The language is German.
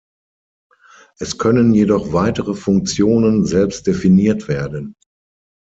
Es können jedoch weitere Funktionen selbst definiert werden.